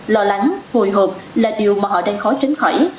lo lắng hồi hộp là điều mà họ đang khó tránh khỏi